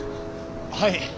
はい。